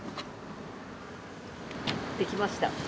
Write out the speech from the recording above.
できました？